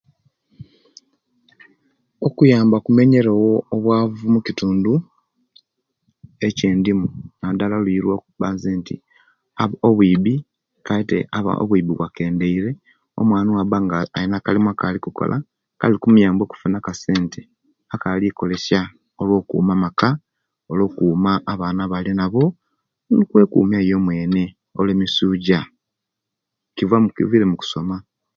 Okuyamba kimenyere wo obwaazu mukitundu, ekyendimu nadala oluyi olwokuba nzeti, obwibi, obwibi bwakendeire omwaana owaba nga alina akalimu akali kukola, kali kumuyamba okufuna akasente akali kolesya olwo'kuma amaka, olwokuma abaana abalina bo, no kwekuma iye, omwene mumisuja kiva, kivire mukusoma.